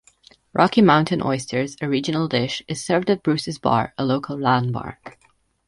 Rocky Mountain oysters, a regional dish, is served at Bruce's Bar, a local landmark.